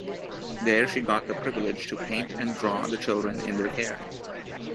There she got the privilege to paint and draw the children in their care.